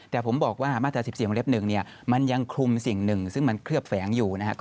แต่ผมบอกว่ามาตรศัพท์๑๔๑มันยังคลุมสิ่งหนึ่งซึ่งมันเคลือบแฝงอยู่